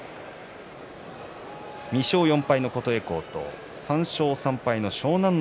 ２勝４敗の琴恵光と３勝３敗の湘南乃